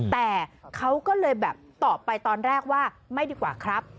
แต่เขาก็เลยแบบตอบไปตอนแรกว่าไม่ดีกว่าครับ